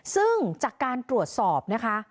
ซึ่งจากการตรวจสอบนะคะ